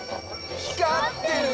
光ってる！